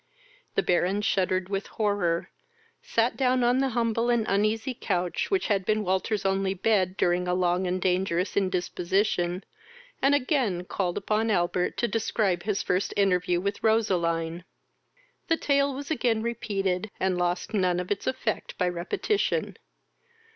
The Baron shuddered with horror, sat down on the humble and uneasy couch which had been Walter's only bed, during a long and dangerous indisposition, and again called upon Albert to describe his first interview with Roseline; the tale was again repeated, and lost none of its effect by repetition.